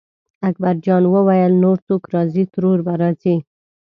اکبرجان وویل نور څوک راځي ترور به راځي.